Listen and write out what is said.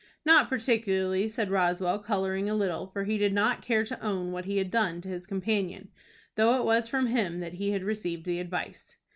"Not particularly," said Roswell, coloring a little, for he did not care to own what he had done to his companion, though it was from him that he had received the advice.